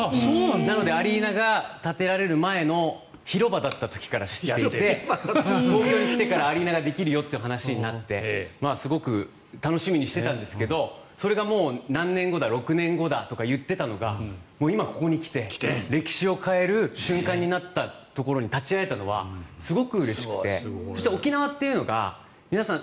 なのでアリーナが建てられる前の広場だった時から知っているので東京に来てからアリーナができるよって話になってすごく楽しみにしてたんですがそれが６年後だとか言っていたのが今ここに来て歴史を変える瞬間になったところに立ち会えたのはすごくうれしくて沖縄というのが皆さん